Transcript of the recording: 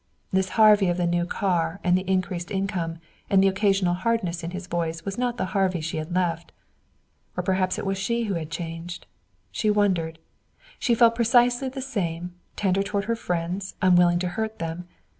This Harvey of the new car and the increased income and the occasional hardness in his voice was not the Harvey she had left. Or perhaps it was she who had changed. She wondered. She felt precisely the same, tender toward her friends, unwilling to hurt them.